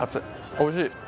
おいしい。